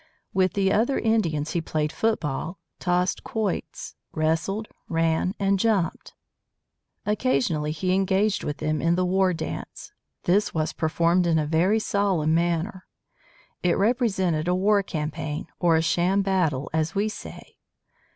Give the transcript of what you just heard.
With the other Indians he played football, tossed quoits, wrestled, ran, and jumped. Occasionally he engaged with them in the war dance. This was performed in a very solemn manner. It represented a war campaign, or a sham battle, as we say.